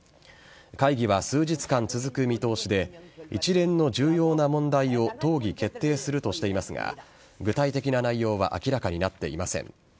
会議は数日間続く見通しで一連の重要な問題を討議・決定するとしていますが具体的な内容は明らかになっていません。